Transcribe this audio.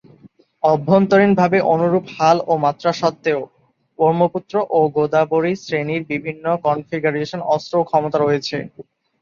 অভ্যন্তরীণভাবে অনুরূপ হাল ও মাত্রা সত্ত্বেও, ব্রহ্মপুত্র ও গোদাবরী শ্রেণির বিভিন্ন কনফিগারেশন, অস্ত্র ও ক্ষমতা রয়েছে।